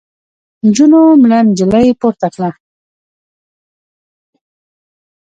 نجونو مړه نجلۍ پورته کړه.